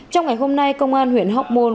trong ngày hôm nay công an huyện hóc môn